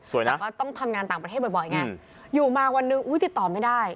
แต่ก็ต้องทำงานต่างประเทศบ่อยไงอยู่มาวันหนึ่งอุ้ยติดต่อไม่ได้